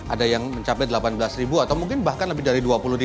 ada yang mencapai delapan belas ribu atau mungkin bahkan lebih dari dua puluh